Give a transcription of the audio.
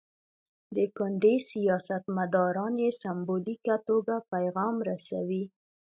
د کونډې سیاستمداران یې سمبولیکه توګه پیغام رسوي.